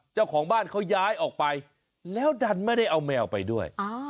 เจ้าของบ้านเขาย้ายออกไปแล้วดันไม่ได้เอาแมวไปด้วย